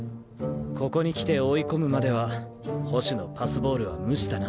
ここに来て追い込むまでは捕手のパスボールは無視だな。